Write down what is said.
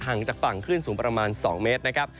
จากฝั่งคลื่นสูงประมาณ๒เมตรนะครับ